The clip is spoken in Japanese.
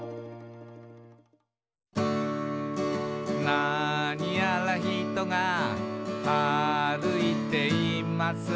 「なにやらひとが歩いています」